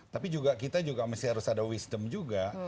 tapi kita juga harus ada wisdom juga